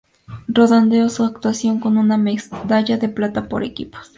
Redondeo su actuación con una medalla de plata por equipos.